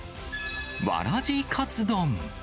わらじカツ丼。